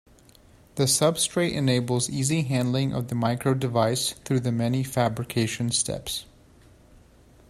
The substrate enables easy handling of the micro device through the many fabrication steps.